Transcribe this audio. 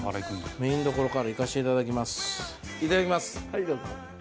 メインどころからいかしていただきます。